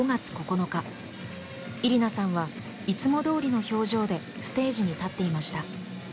イリナさんはいつもどおりの表情でステージに立っていました。